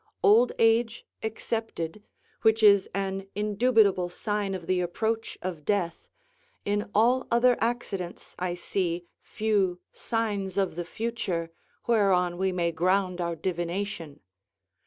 Old age excepted, which is an indubitable sign of the approach of death, in all other accidents I see few signs of the future, whereon we may ground our divination.